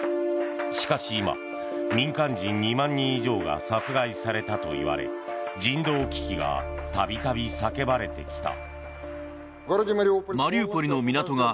しかし今、民間人２万人以上が殺害されたといわれ人道危機がたびたび叫ばれてきた。